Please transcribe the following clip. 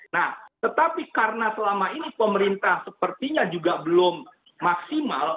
nah tetapi karena selama ini pemerintah sepertinya juga belum maksimal